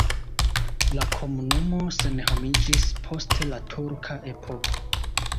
La komunumo senhomiĝis post la turka epoko.